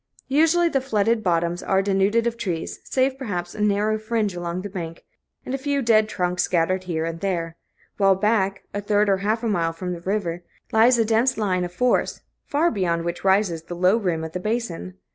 Usually the flooded bottoms are denuded of trees, save perhaps a narrow fringe along the bank, and a few dead trunks scattered here and there; while back, a third or a half mile from the river, lies a dense line of forest, far beyond which rises the low rim of the basin.